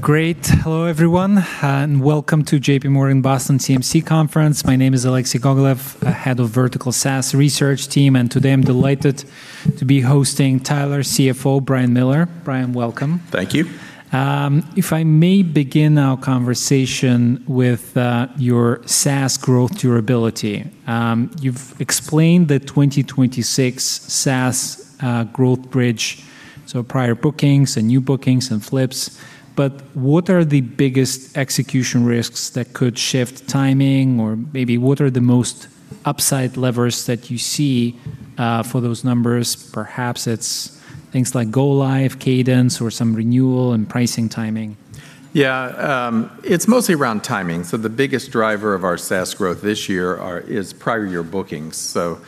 Great. Hello everyone, welcome to JPMorgan Boston TMC Conference. My name is Alexei Gogolev. I'm Head of Vertical SaaS Research Team, today I'm delighted to be hosting Tyler CFO, Brian Miller. Brian, welcome. Thank you. If I may begin our conversation with your SaaS growth durability. You've explained the 2026 SaaS growth bridge, so prior bookings and new bookings and flips. What are the biggest execution risks that could shift timing? Maybe what are the most upside levers that you see for those numbers? Perhaps it's things like go live cadence or some renewal and pricing timing. Yeah, it's mostly around timing. The biggest driver of our SaaS growth this year is prior year bookings, so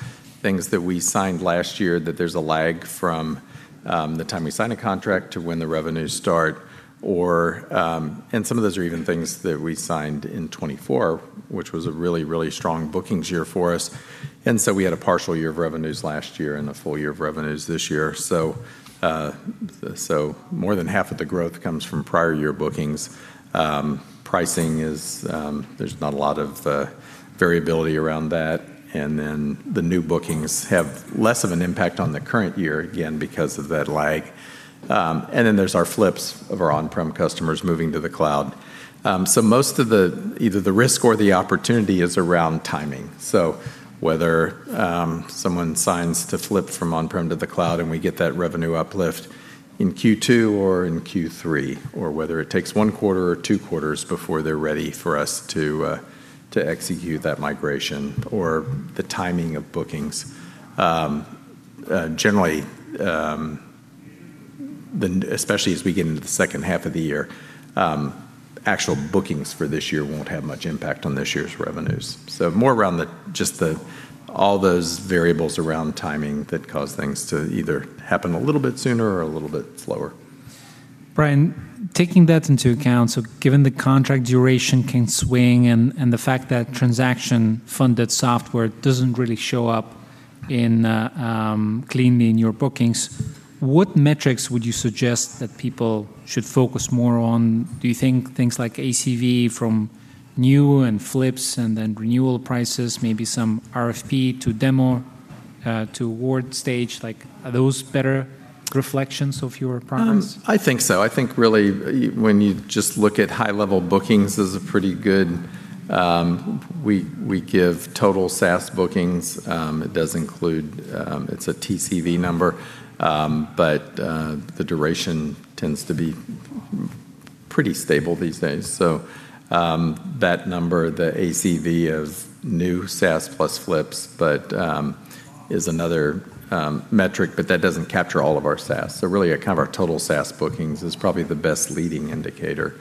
things that we signed last year that there's a lag from the time we sign a contract to when the revenues start or some of those are even things that we signed in 2024, which was a really, really strong bookings year for us. We had a partial year of revenues last year and a full year of revenues this year. More than half of the growth comes from prior year bookings. Pricing is there's not a lot of variability around that. The new bookings have less of an impact on the current year, again, because of that lag. There's our flips of our on-prem customers moving to the cloud. Most of the, either the risk or the opportunity is around timing. Whether someone signs to flip from on-prem to the cloud and we get that revenue uplift in Q2 or in Q3, or whether it takes one quarter or two quarters before they're ready for us to execute that migration or the timing of bookings. Generally, especially as we get into the second half of the year, actual bookings for this year won't have much impact on this year's revenues. More around the, just the, all those variables around timing that cause things to either happen a little bit sooner or a little bit slower. Brian, taking that into account, given the contract duration can swing and the fact that transaction funded software doesn't really show up cleanly in your bookings, what metrics would you suggest that people should focus more on? Do you think things like ACV from new and flips and then renewal prices, maybe some RFP to demo to award stage, like are those better reflections of your progress? I think so. I think really when you just look at high-level bookings is a pretty good We give total SaaS bookings. It does include It's a TCV number. The duration tends to be pretty stable these days. That number, the ACV of new SaaS plus flips, but is another metric, but that doesn't capture all of our SaaS. Really, kind of our total SaaS bookings is probably the best leading indicator,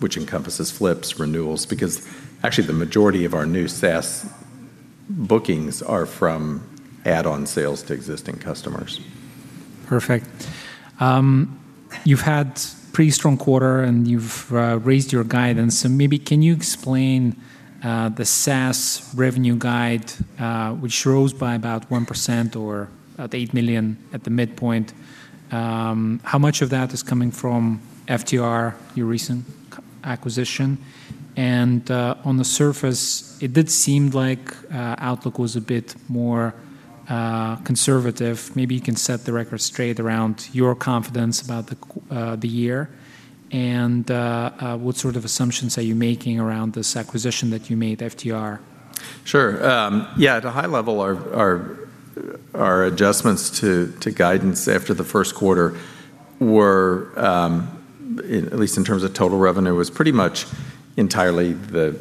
which encompasses flips, renewals, because actually the majority of our new SaaS bookings are from add-on sales to existing customers. Perfect. You've had pretty strong quarter, and you've raised your guidance. Maybe can you explain the SaaS revenue guide, which rose by about 1% or at $8 million at the midpoint. How much of that is coming from FTR, your recent acquisition? On the surface, it did seem like outlook was a bit more conservative. Maybe you can set the record straight around your confidence about the year, and what sort of assumptions are you making around this acquisition that you made, FTR? Sure. At a high level, our adjustments to guidance after the first quarter were, at least in terms of total revenue, was pretty much entirely the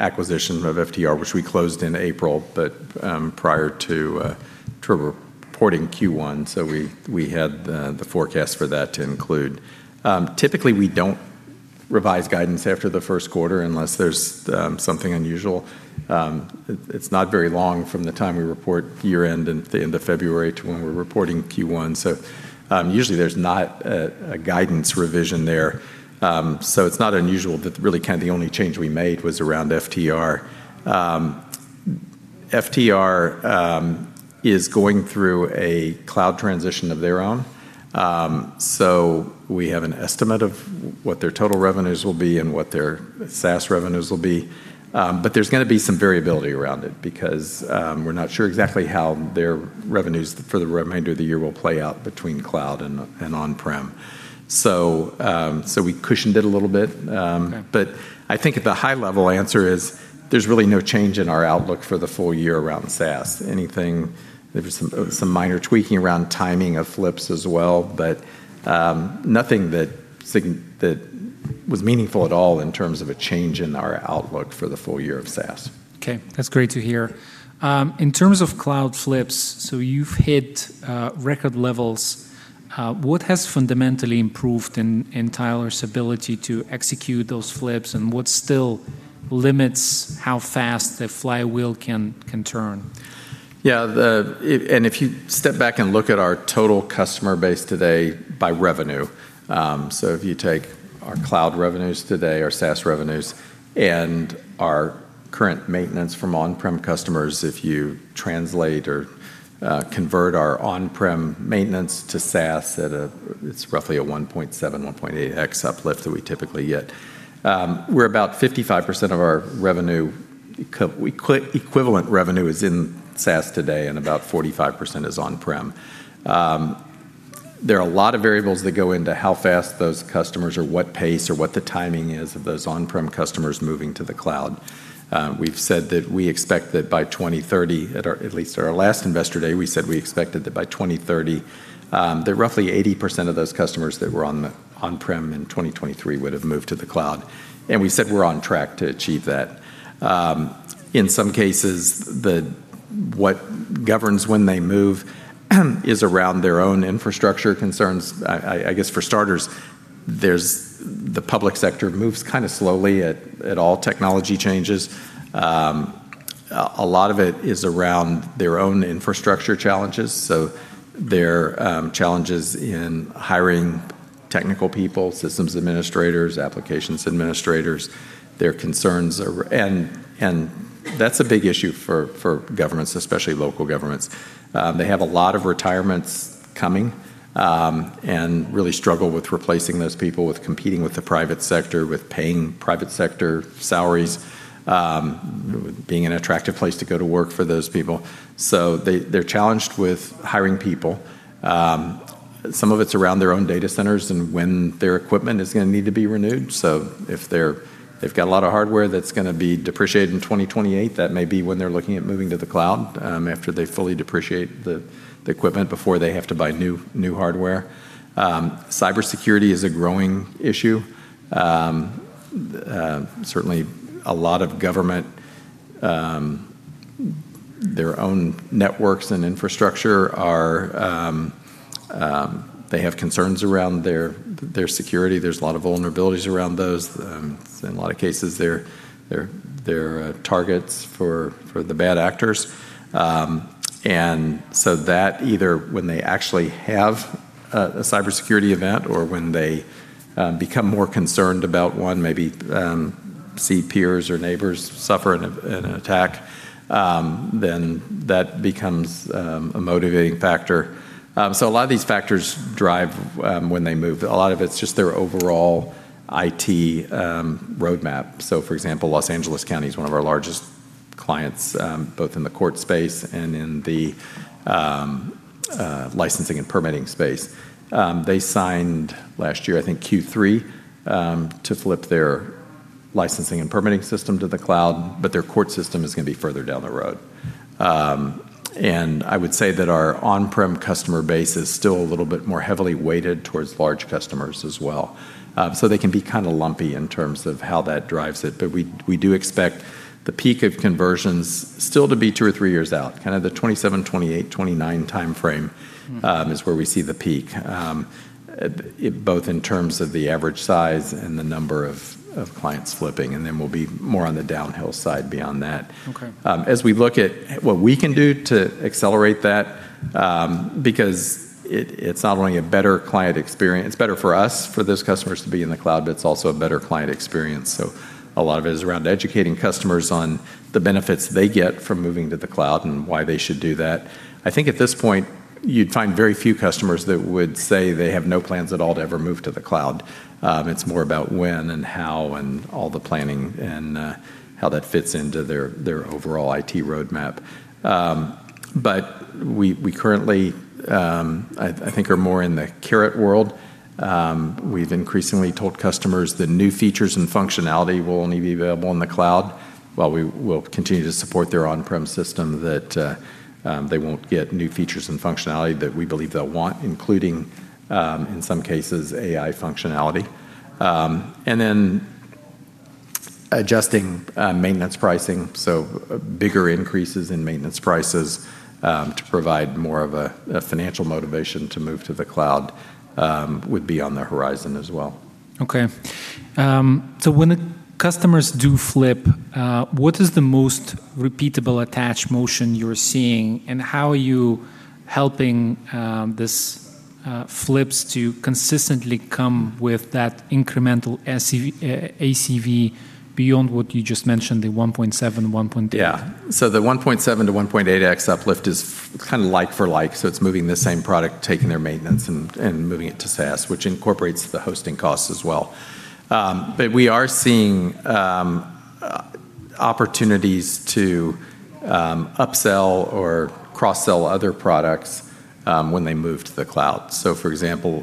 acquisition of FTR, which we closed in April, but prior to reporting Q1, we had the forecast for that to include. Typically, we don't revise guidance after the first quarter unless there's something unusual. It's not very long from the time we report year-end in the February to when we're reporting Q1. Usually there's not a guidance revision there. It's not unusual that really kind of the only change we made was around FTR. FTR is going through a cloud transition of their own. We have an estimate of what their total revenues will be and what their SaaS revenues will be. There's gonna be some variability around it because we're not sure exactly how their revenues for the remainder of the year will play out between cloud and on-prem. We cushioned it a little bit. Okay. I think at the high level answer is there's really no change in our outlook for the full year around SaaS. Anything, maybe some minor tweaking around timing of flips as well, but nothing that was meaningful at all in terms of a change in our outlook for the full year of SaaS. Okay. That's great to hear. In terms of cloud flips, you've hit record levels. What has fundamentally improved in Tyler's ability to execute those flips, and what still limits how fast the flywheel can turn? If you step back and look at our total customer base today by revenue, so if you take our cloud revenues today, our SaaS revenues, and our current maintenance from on-prem customers, if you translate or convert our on-prem maintenance to SaaS at a, it's roughly a 1.7, 1.8x uplift that we typically get. We're about 55% of our revenue co- equivalent revenue is in SaaS today, and about 45% is on-prem. There are a lot of variables that go into how fast those customers or what pace or what the timing is of those on-prem customers moving to the cloud. We've said that we expect that by 2030, at least at our last Investor Day, we said we expected that by 2030, that roughly 80% of those customers that were on the on-prem in 2023 would have moved to the cloud, and we said we're on track to achieve that. In some cases, what governs when they move is around their own infrastructure concerns. I guess for starters, there's the public sector moves kinda slowly at all technology changes. A lot of it is around their own infrastructure challenges. Their challenges in hiring technical people, systems administrators, applications administrators, their concerns and that's a big issue for governments, especially local governments. They have a lot of retirements coming, and really struggle with replacing those people, with competing with the private sector, with paying private sector salaries, being an attractive place to go to work for those people. They're challenged with hiring people. Some of it's around their own data centers and when their equipment is gonna need to be renewed. They've got a lot of hardware that's gonna be depreciated in 2028, that may be when they're looking at moving to the cloud, after they fully depreciate the equipment before they have to buy new hardware. Cybersecurity is a growing issue. Certainly a lot of government, their own networks and infrastructure are They have concerns around their security. There's a lot of vulnerabilities around those. In a lot of cases, they're targets for the bad actors. That either when they actually have a cybersecurity event or when they become more concerned about one, maybe, see peers or neighbors suffer an attack, then that becomes a motivating factor. A lot of these factors drive when they move. A lot of it's just their overall IT roadmap. For example, Los Angeles County is one of our largest clients, both in the court space and in the licensing and permitting space. They signed last year, I think Q3, to flip their licensing and permitting system to the cloud, but their court system is gonna be further down the road. I would say that our on-prem customer base is still a little bit more heavily weighted towards large customers as well. They can be kind of lumpy in terms of how that drives it. We do expect the peak of conversions still to be two or three years out, kind of the 2027, 2028, 2029 timeframe, this where we see the peak, both in terms of the average size and the number of clients flipping, and then we'll be more on the downhill side beyond that. Okay. As we look at what we can do to accelerate that, because it's not only a better client experience. It's better for us for those customers to be in the cloud, but it's also a better client experience. A lot of it is around educating customers on the benefits they get from moving to the cloud and why they should do that. I think at this point, you'd find very few customers that would say they have no plans at all to ever move to the cloud. It's more about when and how and all the planning and how that fits into their overall IT roadmap. We currently, I think are more in the carrot world. We've increasingly told customers the new features and functionality will only be available in the cloud. While we will continue to support their on-prem system that they won't get new features and functionality that we believe they'll want, including, in some cases, AI functionality. Then adjusting maintenance pricing, so bigger increases in maintenance prices, to provide more of a financial motivation to move to the cloud, would be on the horizon as well. Okay. When the customers do flip, what is the most repeatable attach motion you're seeing, and how are you helping these flips to consistently come with that incremental ACV beyond what you just mentioned, the 1.7, 1.8? Yeah. The 1.7 to 1.8X uplift is kinda like for like, so it's moving the same product, taking their maintenance and moving it to SaaS, which incorporates the hosting costs as well. We are seeing opportunities to upsell or cross-sell other products when they move to the cloud. For example,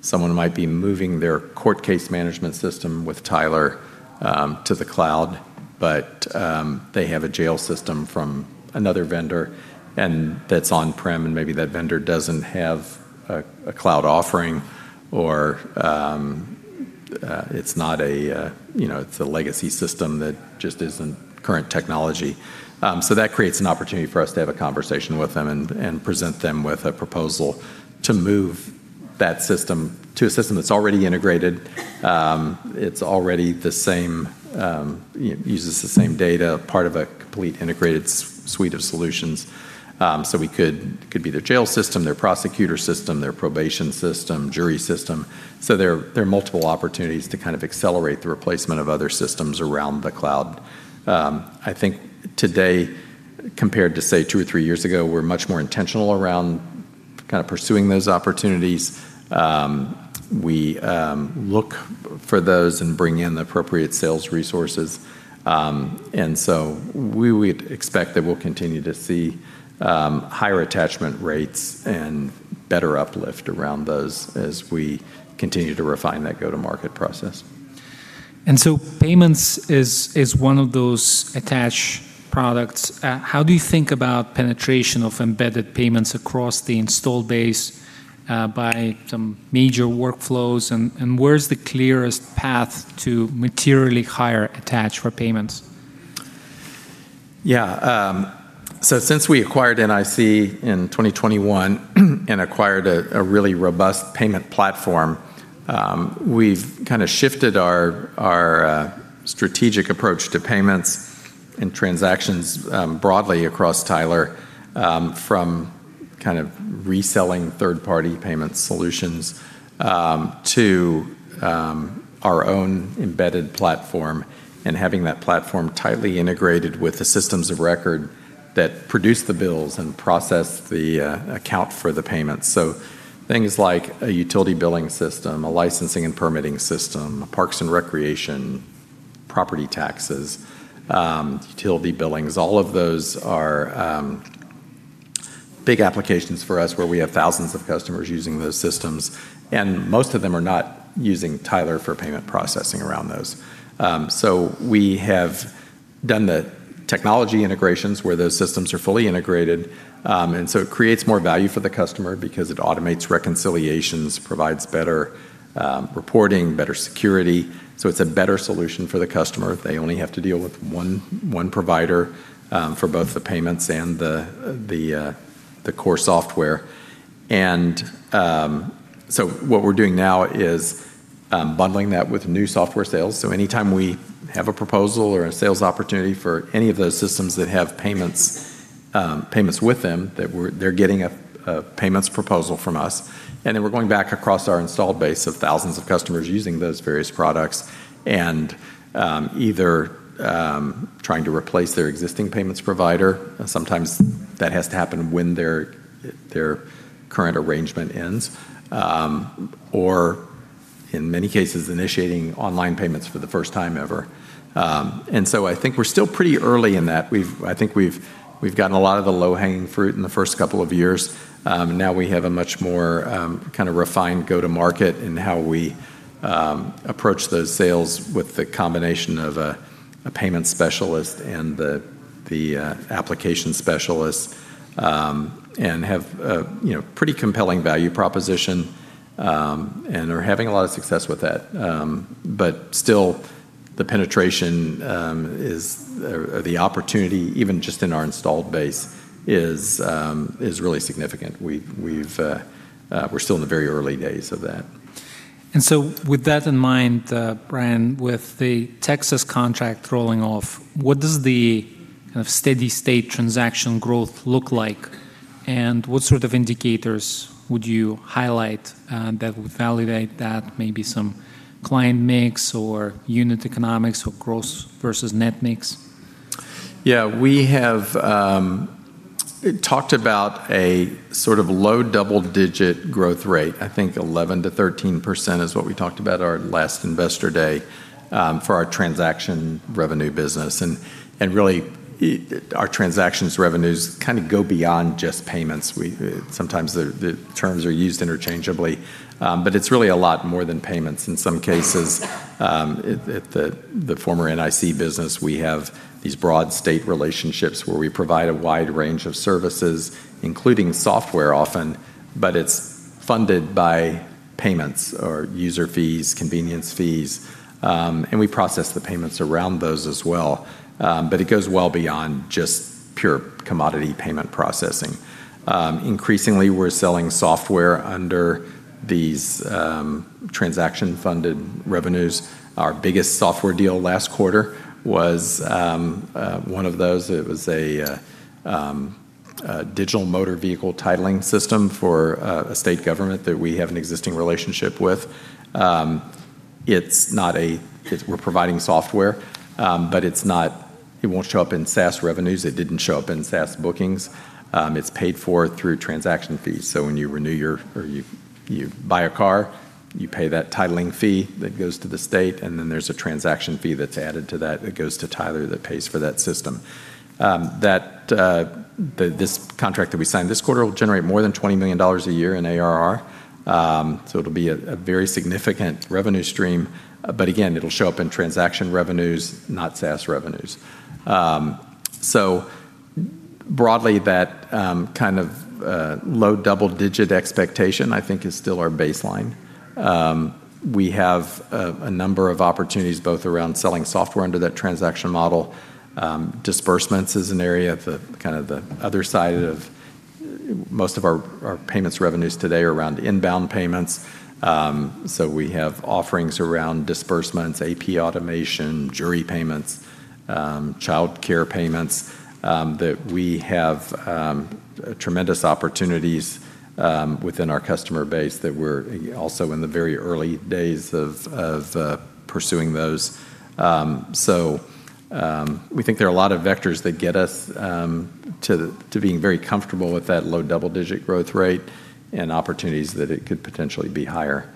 someone might be moving their court case management system with Tyler to the cloud, but they have a jail system from another vendor, and that's on-prem, and maybe that vendor doesn't have a cloud offering or it's not a, you know, it's a legacy system that just isn't current technology. That creates an opportunity for us to have a conversation with them and present them with a proposal to move that system to a system that's already integrated. It's already the same, uses the same data, part of a complete integrated suite of solutions. It could be their jail system, their prosecutor system, their probation system, jury system. There are multiple opportunities to kind of accelerate the replacement of other systems around the cloud. I think today, compared to, say, two or three years ago, we're much more intentional around kind of pursuing those opportunities. We look for those and bring in the appropriate sales resources. We would expect that we'll continue to see higher attachment rates and better uplift around those as we continue to refine that go-to-market process. payments is one of those attach products. How do you think about penetration of embedded payments across the installed base, by some major workflows? Where's the clearest path to materially higher attach for payments? Since we acquired NIC in 2021 and acquired a really robust payment platform, we've kinda shifted our strategic approach to payments and transactions broadly across Tyler Technologies, from kind of reselling third-party payment solutions to our own embedded platform and having that platform tightly integrated with the systems of record that produce the bills and process the account for the payments. Things like a utility billing system, a licensing and permitting system, a parks and recreation, property taxes, utility billings, all of those are big applications for us where we have thousands of customers using those systems, and most of them are not using Tyler Technologies for payment processing around those. We have done the technology integrations where those systems are fully integrated. It creates more value for the customer because it automates reconciliations, provides better reporting, better security. It's a better solution for the customer. They only have to deal with one provider for both the payments and the core software. What we're doing now is bundling that with new software sales. Anytime we have a proposal or a sales opportunity for any of those systems that have payments with them, they're getting a payments proposal from us. We're going back across our installed base of thousands of customers using those various products and either trying to replace their existing payments provider. Sometimes that has to happen when their current arrangement ends, or in many cases, initiating online payments for the first time ever. I think we're still pretty early in that. I think we've gotten a lot of the low-hanging fruit in the first couple of years. Now we have a much more kind of refined go-to-market in how we approach those sales with the combination of a payment specialist and the application specialist, and have a, you know, pretty compelling value proposition, and are having a lot of success with that. Still, the penetration is, or the opportunity, even just in our installed base, is really significant. We've, we're still in the very early days of that. With that in mind, Brian, with the Texas contract rolling off, what does the kind of steady state transaction growth look like? What sort of indicators would you highlight that would validate that maybe some client mix or unit economics or gross versus net mix? Yeah. We have talked about a sort of low double-digit growth rate. I think 11%-13% is what we talked about our last Investor Day for our transaction revenue business. Really, our transactions revenues kind of go beyond just payments. We sometimes the terms are used interchangeably, but it's really a lot more than payments. In some cases, at the former NIC business, we have these broad state relationships where we provide a wide range of services, including software often, but it's funded by payments or user fees, convenience fees, and we process the payments around those as well. It goes well beyond just pure commodity payment processing. Increasingly, we're selling software under these transaction-funded revenues. Our biggest software deal last quarter was one of those. It was a digital motor vehicle titling system for a state government that we have an existing relationship with. We're providing software, It won't show up in SaaS revenues. It didn't show up in SaaS bookings. It's paid for through transaction fees. When you buy a car, you pay that titling fee that goes to the state, and then there's a transaction fee that's added to that that goes to Tyler that pays for that system. This contract that we signed this quarter will generate more than $20 million a year in ARR. It'll be a very significant revenue stream. Again, it'll show up in transaction revenues, not SaaS revenues. Broadly, that low double-digit expectation, I think is still our baseline. We have a number of opportunities both around selling software under that transaction model. Disbursements is an area of the other side of most of our payments revenues today are around inbound payments. We have offerings around disbursements, AP automation, jury payments, childcare payments, that we have tremendous opportunities within our customer base that we're also in the very early days of pursuing those. We think there are a lot of vectors that get us to being very comfortable with that low double-digit growth rate and opportunities that it could potentially be higher.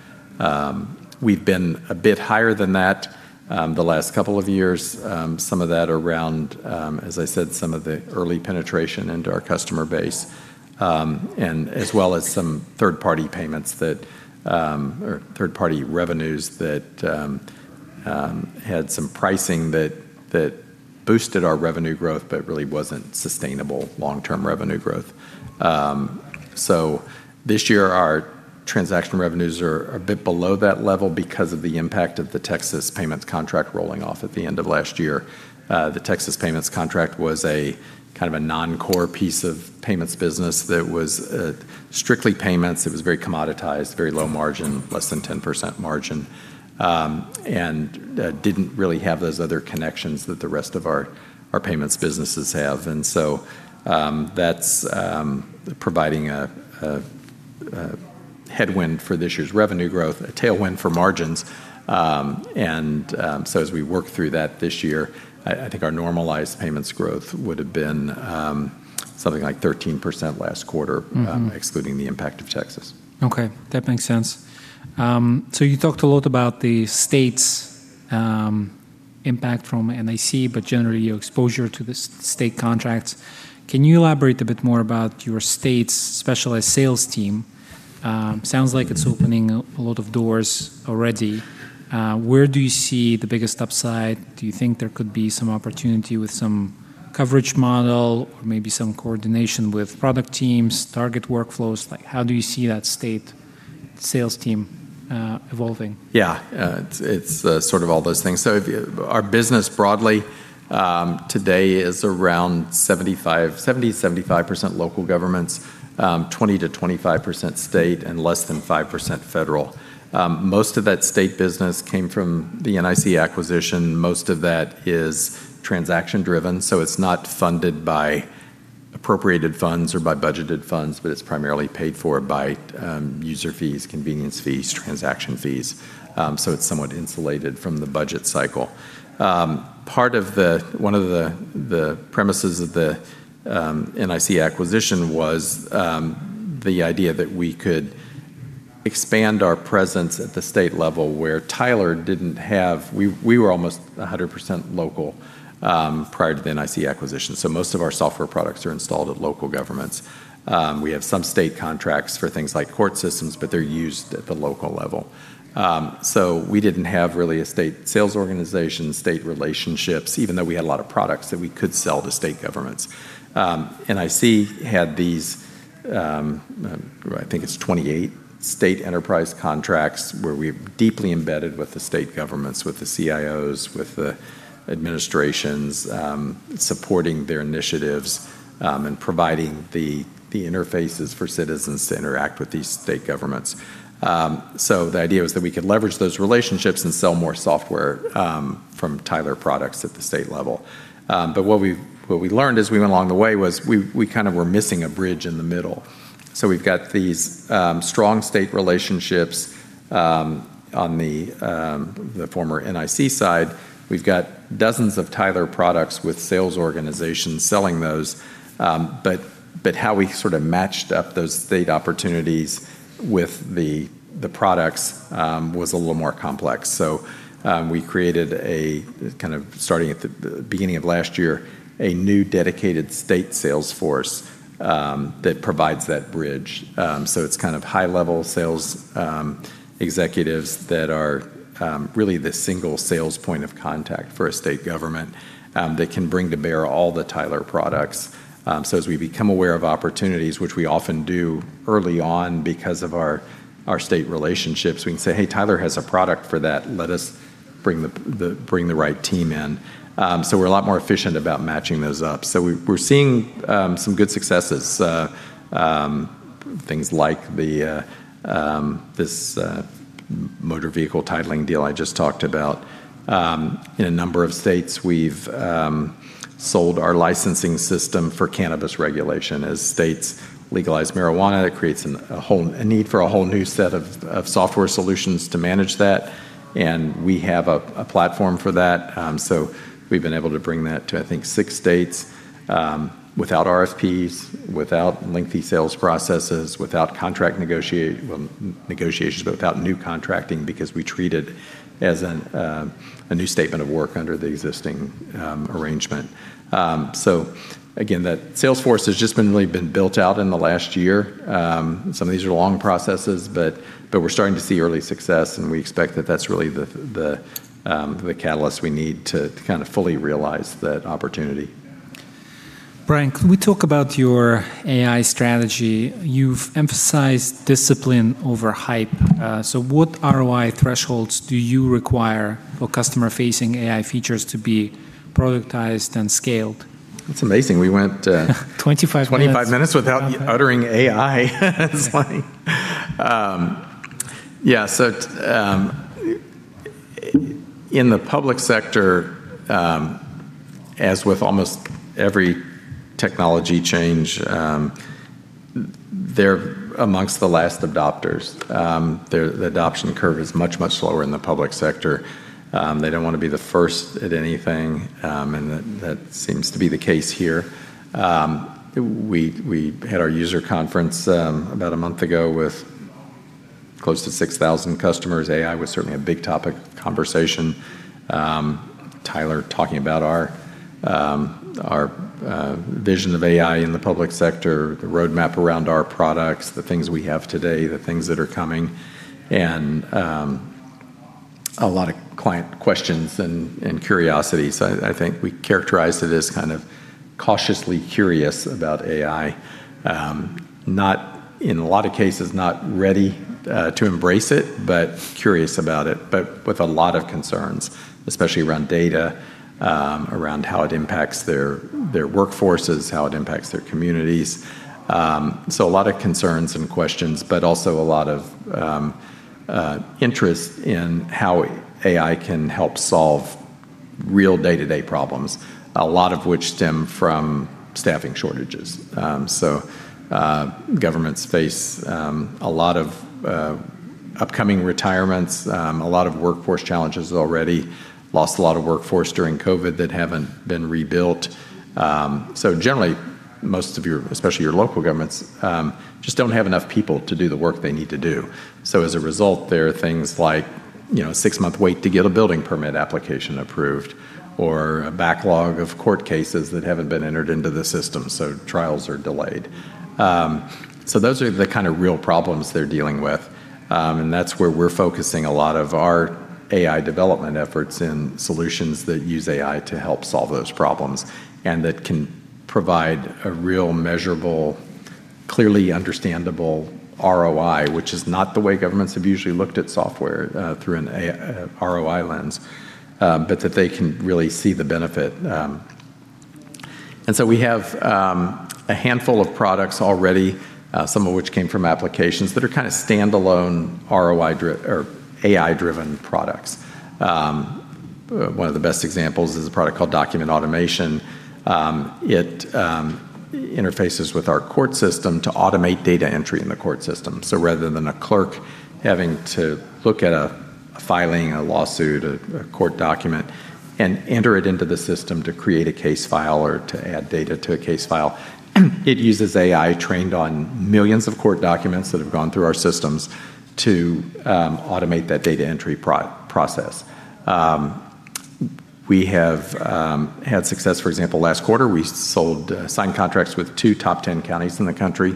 We've been a bit higher than that the last couple of years. Some of that around, as I said, some of the early penetration into our customer base, and as well as some third-party payments or third-party revenues that had some pricing that boosted our revenue growth but really wasn't sustainable long-term revenue growth. This year our transaction revenues are a bit below that level because of the impact of the Texas payments contract rolling off at the end of last year. The Texas payments contract was a kind of a non-core piece of payments business that was strictly payments. It was very commoditized, very low margin, less than 10% margin. Didn't really have those other connections that the rest of our payments businesses have. That's providing a headwind for this year's revenue growth, a tailwind for margins. As we work through that this year, I think our normalized payments growth would have been something like 13% last quarter, excluding the impact of Texas. Okay. That makes sense. You talked a lot about the state's impact from NIC, generally your exposure to the state contracts. Can you elaborate a bit more about your state's specialized sales team? Sounds like it's opening a lot of doors already. Where do you see the biggest upside? Do you think there could be some opportunity with some coverage model or maybe some coordination with product teams, target workflows? How do you see that state sales team evolving? It's sort of all those things. Our business broadly today is around 75, 70, 75% local governments, 20%-25% state, and less than 5% federal. Most of that state business came from the NIC acquisition. Most of that is transaction-driven, so it's not funded by appropriated funds or by budgeted funds, but it's primarily paid for by user fees, convenience fees, transaction fees. It's somewhat insulated from the budget cycle. One of the premises of the NIC acquisition was the idea that we could expand our presence at the state level. We were almost 100% local prior to the NIC acquisition, most of our software products are installed at local governments. We have some state contracts for things like court systems, but they're used at the local level. We didn't have really a state sales organization, state relationships, even though we had a lot of products that we could sell to state governments. NIC had these, I think it's 28 state enterprise contracts where we're deeply embedded with the state governments, with the CIOs, with the administrations, supporting their initiatives, and providing the interfaces for citizens to interact with these state governments. The idea was that we could leverage those relationships and sell more software from Tyler products at the state level. What we learned as we went along the way was we kind of were missing a bridge in the middle. We've got these strong state relationships on the former NIC side. We've got dozens of Tyler products with sales organizations selling those. How we sort of matched up those state opportunities with the products was a little more complex. We created a kind of starting at the beginning of last year, a new dedicated state sales force that provides that bridge. It's kind of high-level sales executives that are really the single sales point of contact for a state government that can bring to bear all the Tyler products. As we become aware of opportunities, which we often do early on because of our state relationships, we can say, "Hey, Tyler has a product for that. Let us bring the right team in. We're a lot more efficient about matching those up. We're seeing some good successes. Things like the motor vehicle titling deal I just talked about. In a number of states we've sold our licensing system for cannabis regulation. States legalize marijuana, it creates a whole need for a whole new set of software solutions to manage that, and we have a platform for that. We've been able to bring that to, I think, six states, without RFPs, without lengthy sales processes, without contract negotiations, but without new contracting because we treat it as a new statement of work under the existing arrangement. Again, that sales force has just been really built out in the last year. Some of these are long processes, but we're starting to see early success, we expect that that's really the catalyst we need to kind of fully realize that opportunity. Brian, can we talk about your AI strategy? You've emphasized discipline over hype. What ROI thresholds do you require for customer-facing AI features to be productized and scaled? That's amazing. We went. 25 minutes. 25 minutes without uttering AI. It's funny. In the public sector, as with almost every technology change, they're amongst the last adopters. The adoption curve is much slower in the public sector. They don't wanna be the first at anything, and that seems to be the case here. We had our user conference about a month ago with close to 6,000 customers. AI was certainly a big topic of conversation. Tyler talking about our vision of AI in the public sector, the roadmap around our products, the things we have today, the things that are coming, and a lot of client questions and curiosities. I think we characterize it as kind of cautiously curious about AI. Not, in a lot of cases, not ready to embrace it, but curious about it, but with a lot of concerns, especially around data, around how it impacts their workforces, how it impacts their communities. A lot of concerns and questions, but also a lot of interest in how AI can help solve real day-to-day problems, a lot of which stem from staffing shortages. Governments face a lot of upcoming retirements, a lot of workforce challenges already, lost a lot of workforce during COVID that haven't been rebuilt. Generally, most of your, especially your local governments, just don't have enough people to do the work they need to do. As a result, there are things like, you know, a six-month wait to get a building permit application approved or a backlog of court cases that haven't been entered into the system, so trials are delayed. Those are the kinda real problems they're dealing with, and that's where we're focusing a lot of our AI development efforts in solutions that use AI to help solve those problems and that can provide a real measurable, clearly understandable ROI, which is not the way governments have usually looked at software, through a ROI lens, but that they can really see the benefit. We have a handful of products already, some of which came from applications that are kinda standalone ROI-driven or AI-driven products. One of the best examples is a product called Document Automation. It interfaces with our court system to automate data entry in the court system. Rather than a clerk having to look at a filing, a lawsuit, a court document and enter it into the system to create a case file or to add data to a case file, it uses AI trained on millions of court documents that have gone through our systems to automate that data entry process. We have had success. For example, last quarter, we sold, signed contracts with two top 10 counties in the country,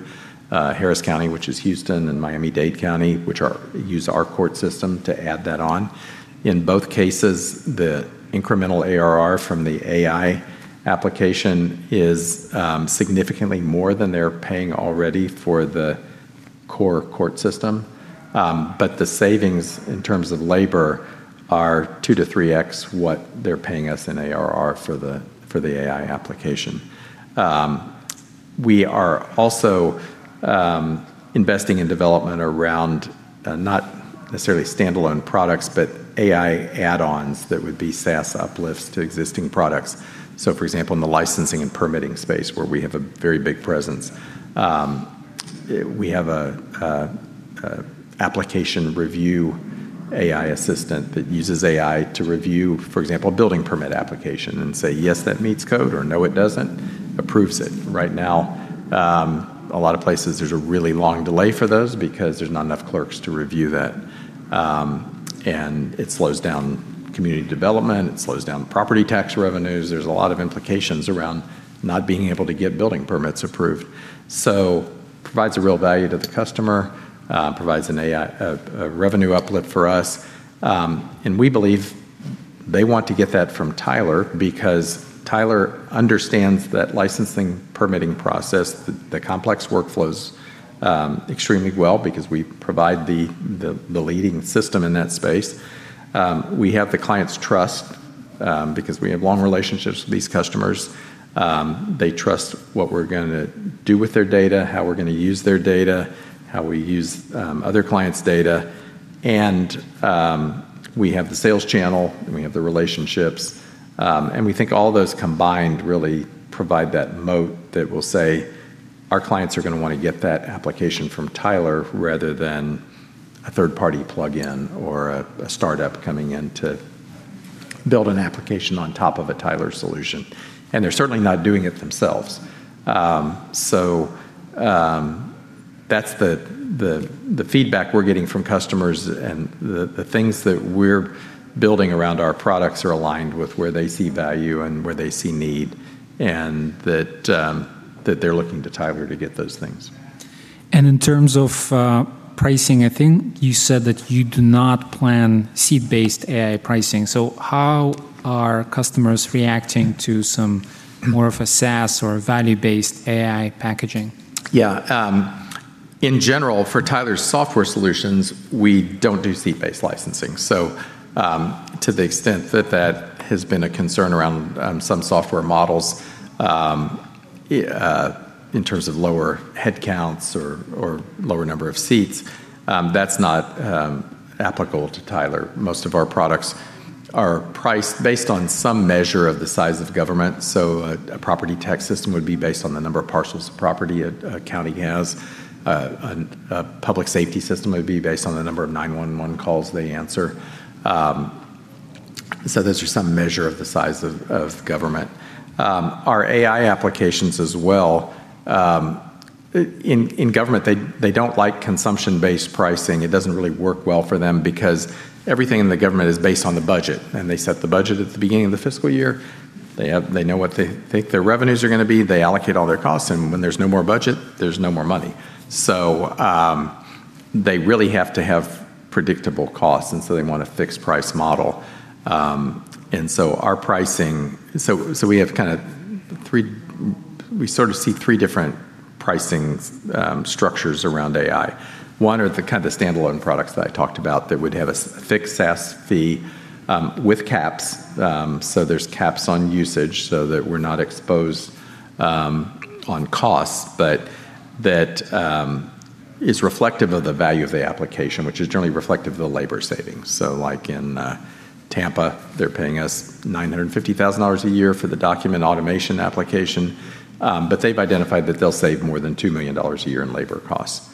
Harris County, which is Houston, and Miami-Dade County, which use our court system to add that on. In both cases, the incremental ARR from the AI application is significantly more than they're paying already for the core court system. The savings in terms of labor are 2-3x what they're paying us in ARR for the AI application. We are also investing in development around not necessarily standalone products, but AI add-ons that would be SaaS uplifts to existing products. For example, in the licensing and permitting space where we have a very big presence, we have a application review AI assistant that uses AI to review, for example, a building permit application and say, "Yes, that meets code," or, "No, it doesn't," approves it. Right now, a lot of places, there's a really long delay for those because there's not enough clerks to review that, and it slows down community development. It slows down property tax revenues. There's a lot of implications around not being able to get building permits approved. Provides a real value to the customer, provides an AI revenue uplift for us, and we believe they want to get that from Tyler because Tyler understands that licensing permitting process, the complex workflows, extremely well because we provide the leading system in that space. We have the client's trust because we have long relationships with these customers. They trust what we're gonna do with their data, how we're gonna use their data, how we use other clients' data, and we have the sales channel, and we have the relationships. We think all those combined really provide that moat that will say our clients are gonna wanna get that application from Tyler rather than a third-party plugin or a startup coming in to build an application on top of a Tyler solution, and they're certainly not doing it themselves. That's the feedback we're getting from customers and the things that we're building around our products are aligned with where they see value and where they see need and that they're looking to Tyler to get those things. In terms of pricing, I think you said that you do not plan seat-based AI pricing. How are customers reacting to some more of a SaaS or value-based AI packaging? In general, for Tyler's software solutions, we don't do seat-based licensing. To the extent that that has been a concern around some software models in terms of lower headcounts or lower number of seats, that's not applicable to Tyler. Most of our products are priced based on some measure of the size of government. A property tax system would be based on the number of parcels of property a county has. A public safety system would be based on the number of 911 calls they answer. Those are some measure of the size of government. Our AI applications as well, in government, they don't like consumption-based pricing. It doesn't really work well for them because everything in the government is based on the budget. They set the budget at the beginning of the fiscal year. They know what they think their revenues are going to be. They allocate all their costs. When there's no more budget, there's no more money. They really have to have predictable costs. They want a fixed price model. Our pricing. We sort of see three different pricing structures around AI. One are the kind of standalone products that I talked about that would have a fixed SaaS fee with caps. There's caps on usage so that we're not exposed on costs, but that is reflective of the value of the application, which is generally reflective of the labor savings. Like in Tampa, they're paying us $950,000 a year for the Document Automation application, but they've identified that they'll save more than $2 million a year in labor costs.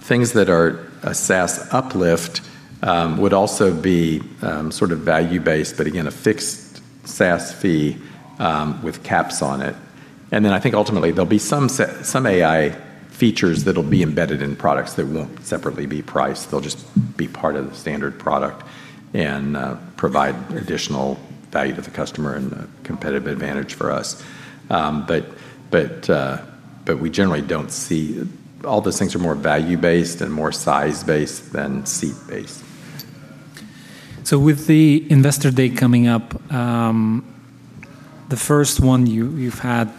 Things that are a SaaS uplift would also be sort of value-based, but again, a fixed SaaS fee with caps on it. I think ultimately there'll be some AI features that'll be embedded in products that won't separately be priced. They'll just be part of the standard product and provide additional value to the customer and a competitive advantage for us. All those things are more value-based and more size-based than seat-based. With the Investor Day coming up, the first one you've had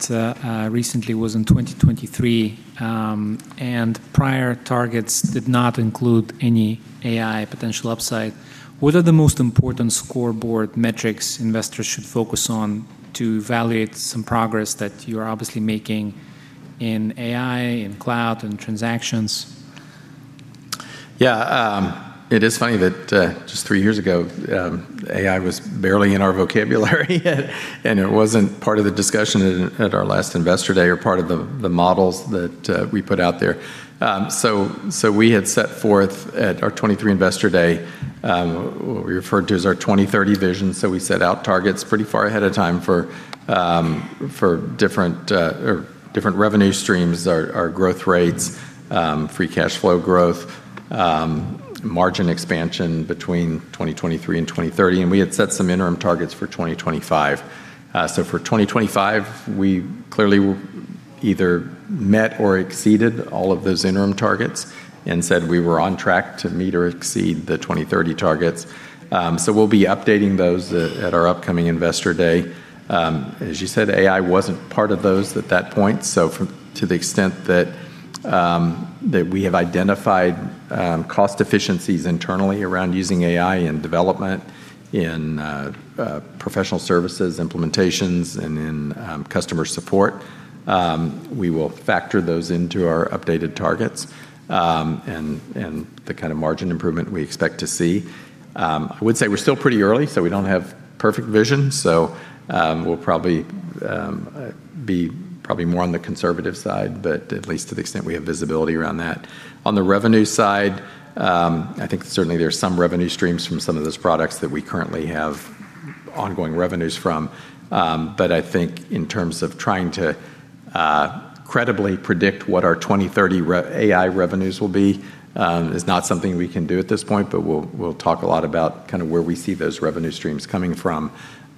recently was in 2023, and prior targets did not include any AI potential upside. What are the most important scoreboard metrics investors should focus on to evaluate some progress that you're obviously making in AI, in cloud, in transactions? It is funny that, just three years ago, AI was barely in our vocabulary and it wasn't part of the discussion at our last Investor Day or part of the models that we put out there. We had set forth at our 2023 Investor Day, what we referred to as our 2030 vision. We set out targets pretty far ahead of time for different, or different revenue streams, our growth rates, free cash flow growth, margin expansion between 2023 and 2030, and we had set some interim targets for 2025. For 2025, we clearly either met or exceeded all of those interim targets and said we were on track to meet or exceed the 2030 targets. We'll be updating those at our upcoming Investor Day. As you said, AI wasn't part of those at that point, to the extent that we have identified cost efficiencies internally around using AI in development, in professional services implementations, and in customer support, we will factor those into our updated targets and the kind of margin improvement we expect to see. I would say we're still pretty early, we don't have perfect vision, we'll probably be more on the conservative side, but at least to the extent we have visibility around that. On the revenue side, I think certainly there are some revenue streams from some of those products that we currently have ongoing revenues from. I think in terms of trying to credibly predict what our 2030 AI revenues will be, is not something we can do at this point, but we'll talk a lot about kinda where we see those revenue streams coming from,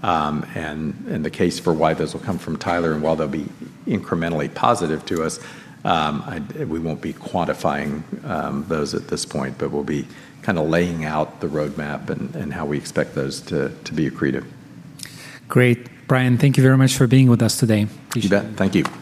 and the case for why those will come from Tyler and why they'll be incrementally positive to us. We won't be quantifying those at this point, but we'll be kinda laying out the roadmap and how we expect those to be accretive. Great. Brian, thank you very much for being with us today. Appreciate it. You bet. Thank you.